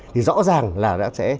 thì rõ ràng là sẽ